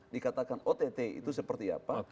dikatakan ott itu seperti apa